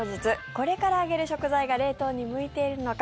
これから挙げる食材が冷凍に向いているのか